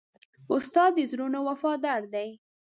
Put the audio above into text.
استاد د زړونو وفادار دی.